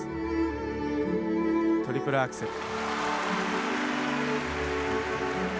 トリプルアクセル。